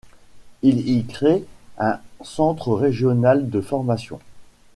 Il y crée un centre régional de formation.